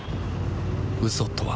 嘘とは